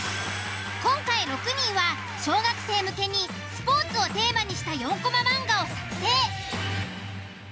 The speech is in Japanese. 今回６人は小学生向けにスポーツをテーマにした４コマ漫画を作成。